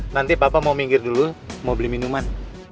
nanti bapak mau minggir dulu mau beli minuman